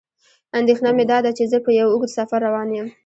اندېښنه مې داده چې زه په یو اوږد سفر روان یم.